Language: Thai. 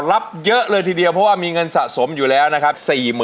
รับเยอะเลยทีเดียวเพราะว่ามีเงินสะสมอยู่แล้วนะครับ